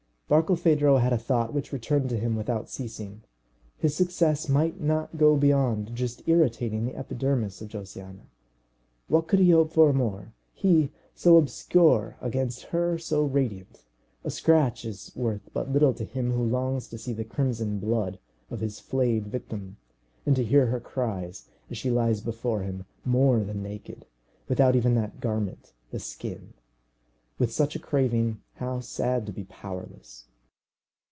Barkilphedro had a thought which returned to him without ceasing: his success might not go beyond just irritating the epidermis of Josiana. What could he hope for more he so obscure against her so radiant? A scratch is worth but little to him who longs to see the crimson blood of his flayed victim, and to hear her cries as she lies before him more than naked, without even that garment the skin! With such a craving, how sad to be powerless!